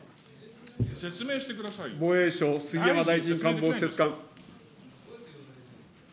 防衛省、杉山大臣官房施設監。